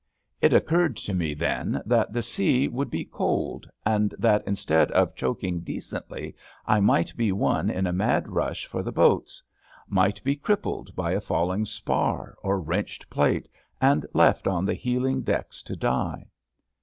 It occurred to me then that the sea would be cold, and that instead of choking decently I might be one in a 36 ABAFT THE FUNNEL mad rush for the boats — ^might be crippled by a falling spar or wrenched plate and left on the heeling decks to die.